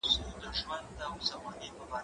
هغه وويل چي چپنه ضروري ده!.